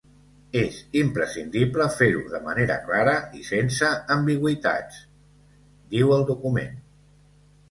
És imprescindible fer-ho de manera clara i sense ambigüitats, diu el document.